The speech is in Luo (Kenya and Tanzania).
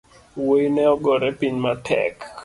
Wuoi ne ogore piny matek